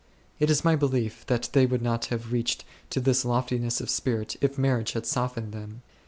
It is my belief, that they would not have reached to this loftmess of spirit, if marriage had softened them.